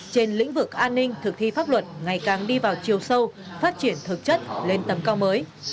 trên lĩnh vực an ninh thực thi pháp luật ngày càng đi vào chiều sâu phát triển thực chất lên tầm cao mới